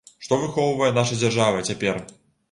Што выхоўвае наша дзяржава цяпер?